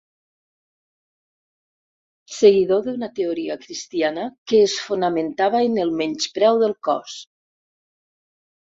Seguidor d'una teoria cristiana que es fonamentava en el menyspreu del cos.